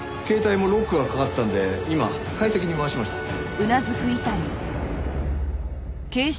携帯もロックがかかってたんで今解析に回しました。